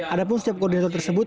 adapun setiap koordinator tersebut